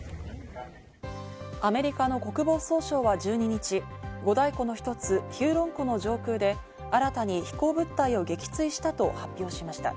アメリカの国防総省は１２日、五大湖の一つ、ヒューロン湖の上空で新たに飛行物体を撃墜したと発表しました。